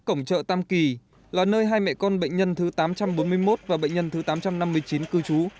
cổng chợ tam kỳ là nơi hai mẹ con bệnh nhân thứ tám trăm bốn mươi một và bệnh nhân thứ tám trăm năm mươi chín cư trú